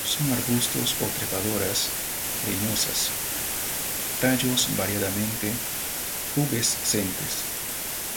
Son arbustos o trepadoras leñosas; tallos variadamente pubescentes.